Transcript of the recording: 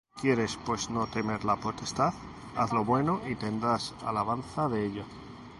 ¿Quieres pues no temer la potestad? haz lo bueno, y tendrás alabanza de ella;